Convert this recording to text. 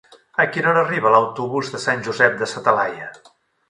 A quina hora arriba l'autobús de Sant Josep de sa Talaia?